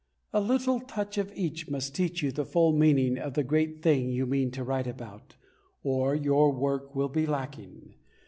A little touch of each must teach you the full meaning of the great thing you mean to write about, or your work will be lacking.